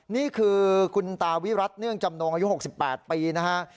นี่คือคุณตาวิรัติเนื่องจำนงอายุ๖๘ปีนะฮะ